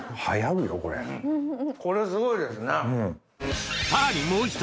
これすごいですね。